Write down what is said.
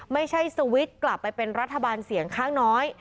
สวิตช์กลับไปเป็นรัฐบาลเสียงข้างน้อย